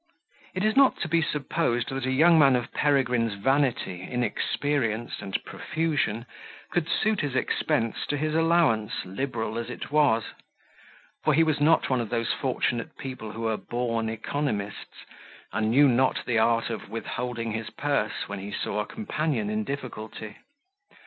It is not to be supposed that a young man of Peregrine's vanity, inexperience, and profusion, could suit his expense to his allowance, liberal as it was for he was not one of those fortunate people who are born economists, and knew not the art of withholding his purse when he saw his companion in difficulty.